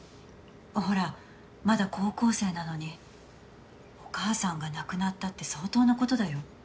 ほらまだ高校生なのにお母さんが亡くなったって相当なことだよ。